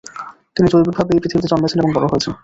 তিনি জৈবিকভাবে এই পৃথিবীতে জন্মেছন এবং বড় হয়েছেন।